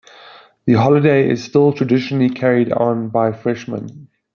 The holiday is still traditionally carried on by freshmen.